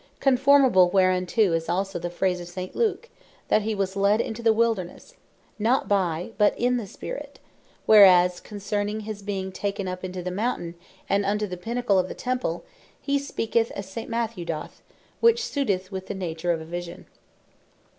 Conformable whereunto, is also the phrase of St. Luke, that hee was led into the Wildernesse, not By, but In the Spirit: whereas concerning His being Taken up into the Mountaine, and unto the Pinnacle of the Temple, hee speaketh as St. Matthew doth. Which suiteth with the nature of a Vision.